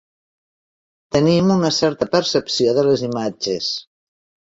Tenim una certa percepció de les imatges.